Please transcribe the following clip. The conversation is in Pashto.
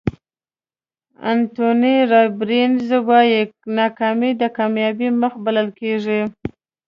انتوني رابینز وایي ناکامي د کامیابۍ مخ بلل کېږي.